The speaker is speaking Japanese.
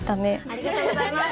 ありがとうございます。